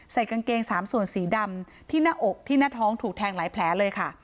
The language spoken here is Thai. กางเกง๓ส่วนสีดำที่หน้าอกที่หน้าท้องถูกแทงหลายแผลเลยค่ะ